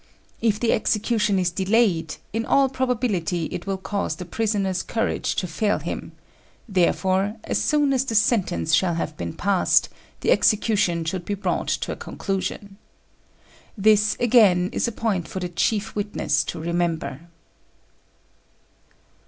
If the execution is delayed, in all probability it will cause the prisoner's courage to fail him; therefore, as soon as the sentence shall have been passed, the execution should be brought to a conclusion. This, again, is a point for the chief witness to remember.